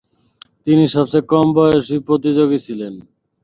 তিনি সবচেয়ে কম বয়সী প্রতিযোগী ছিলেন।